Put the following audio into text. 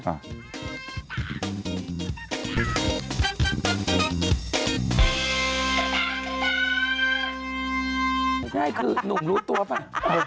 ก็ใช่คือนุ่มรู้ตัวไหม